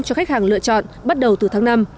cho khách hàng lựa chọn bắt đầu từ tháng năm